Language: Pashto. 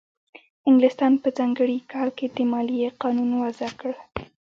انګلستان په ځانګړي کال کې د مالیې قانون وضع کړ.